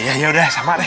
ya ya udah sama deh